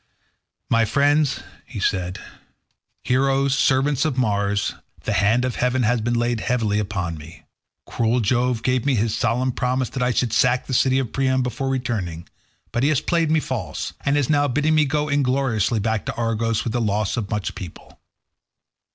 "My friends," he said, "heroes, servants of Mars, the hand of heaven has been laid heavily upon me. Cruel Jove gave me his solemn promise that I should sack the city of Priam before returning, but he has played me false, and is now bidding me go ingloriously back to Argos with the loss of much people.